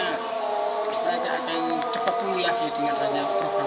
mereka akan cepat mulai lagi dengan adanya program vaksin ini